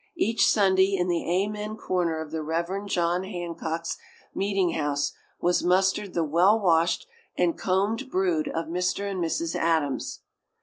Each Sunday in the amen corner of the Reverend John Hancock's meetinghouse was mustered the well washed and combed brood of Mr. and Mrs. Adams.